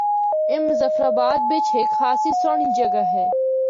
اے مظفرآباد بچ ہک خاصی سہنڑی جگہ ہے۔